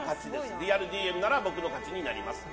リアルＤＭなら僕の勝ちになります。